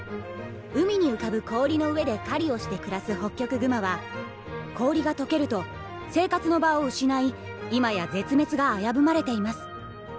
海に浮かぶ氷の上で狩りをして暮らすホッキョクグマは氷が解けると生活の場を失い今や絶滅が危ぶまれています。